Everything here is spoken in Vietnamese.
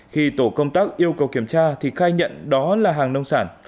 khi tổ công tác yêu cầu kiểm tra thì khai nhận đó là hàng nông sản